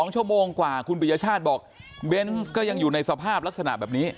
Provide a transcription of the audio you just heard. ๒ชั่วโมงกว่าคุณปริญญชาติบอกเบนส์ก็ยังอยู่ในสภาพลักษณะแบบนี้